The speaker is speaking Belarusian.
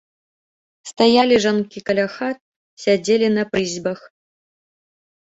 Стаялі жанкі каля хат, сядзелі на прызбах.